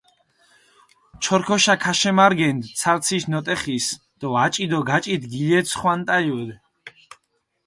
ჩორქოშა ქაშემარგენდჷ ცარციშ ნოტეხის დო აჭი დო გაჭით გილეცხვანტალუდჷ.